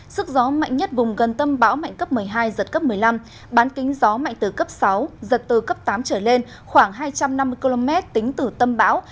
sức gió mạnh nhất vùng gần tâm bão mạnh cấp một mươi hai giật cấp một mươi năm bán kính gió mạnh từ cấp sáu giật từ cấp tám trở lên khoảng hai trăm năm mươi km tính từ tâm bão